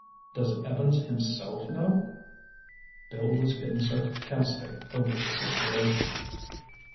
Does Evans himself know?" Bill was getting sarcastic over the situation.